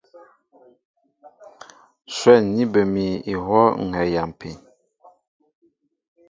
Shwɛ̂n ní bə mi ihwɔ́ ŋ̀ hɛɛ a yampi.